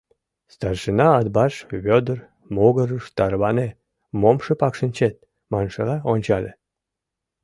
Старшина Атбаш Вӧдыр могырыш «Тарване, мом шыпак шинчет» маншыла ончале.